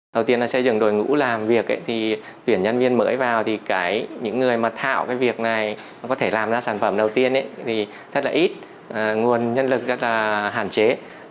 đầu tiên là xây dựng đội ngũ làm việc thì tuyển nhân viên mới vào thì những người mà thạo cái việc này có thể làm ra sản phẩm đầu tiên thì rất là ít nguồn nhân lực rất là hạn chế